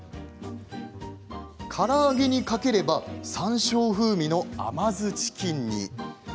から揚げにかければ山椒風味の甘酢チキンに。